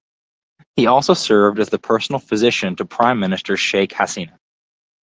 He also served as the personal physician to Prime Minister Sheikh Hasina.